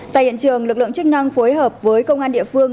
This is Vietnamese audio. tại hiện trường lực lượng chức năng phối hợp với công an địa phương